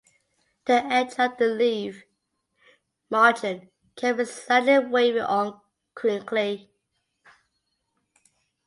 The edge of the leaf (margin) can be slightly wavy or crinkly.